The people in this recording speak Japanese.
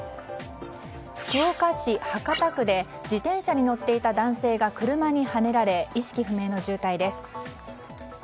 福岡市博多区で自転車に乗っていた男性が車にはねられ意識不明の重体です。